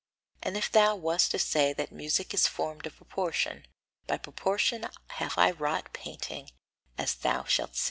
And if thou wast to say that music is formed of proportion, by proportion have I wrought painting, as thou shalt see.